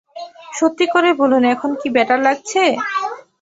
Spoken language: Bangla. সত্যি করে বলুন, এখন কি বেটার লাগছে?